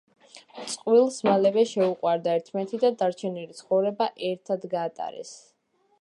წყვილს მალევე შეუყვარდა ერთმანეთი და დარჩენილი ცხოვრება ერთად გაატარეს.